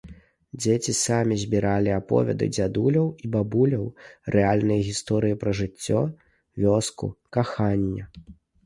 Дзеці самі збіралі аповеды дзядуляў і бабуляў, рэальныя гісторыі пра жыццё, вёску, каханне.